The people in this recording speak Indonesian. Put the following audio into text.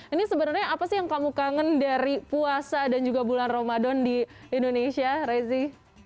ini sebenarnya apa sih yang kamu kangen dari puasa dan juga bulan ramadan di indonesia rezi